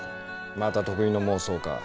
また得意の妄想か。